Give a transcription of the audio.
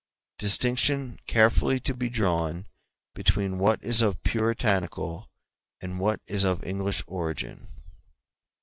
—Distinction carefully to be drawn between what is of Puritanical and what is of English origin.